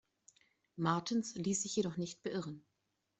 Martens ließ sich jedoch nicht beirren.